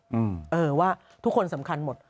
ไม่รู้ว่าทุกคนสำคัญหมด